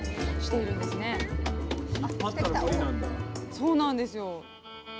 そうなんですよ。